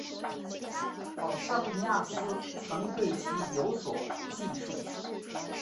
保桑尼阿斯曾对其有所记述。